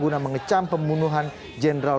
dan mengecam pembunuhan general